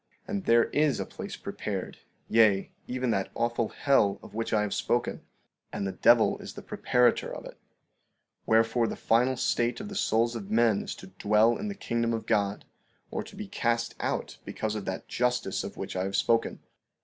15:35 And there is a place prepared, yea, even that awful hell of which I have spoken, and the devil is the preparator of it; wherefore the final state of the souls of men is to dwell in the kingdom of God, or to be cast out because of that justice of which I have spoken.